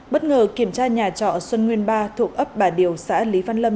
bất ngờ kiểm tra nhà trọ xuân nguyên ba thuộc ấp bà điều xã lý văn lâm